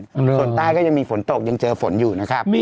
ส่วนใต้ก็ยังมีฝนตกยังเจอฝนอยู่นะครับ